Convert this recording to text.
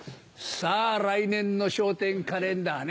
さぁ来年の『笑点』カレンダーね。